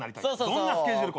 どんなスケジュール？